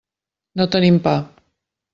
No tenim pa.